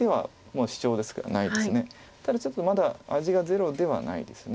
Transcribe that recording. ただちょっとまだ味がゼロではないです。